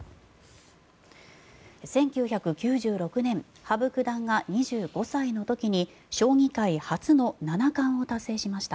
１９９６年羽生九段が２５歳の時に将棋界初の七冠を達成しました。